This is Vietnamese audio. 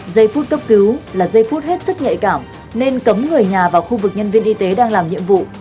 giây phút cấp cứu là giây phút hết sức nhạy cảm nên cấm người nhà vào khu vực nhân viên y tế đang làm nhiệm vụ